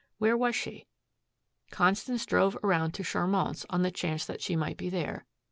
Where was she? Constance drove around to Charmant's on the chance that she might be there.